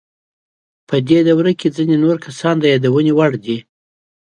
په دې دوره کې ځینې نور کسان د یادونې وړ دي.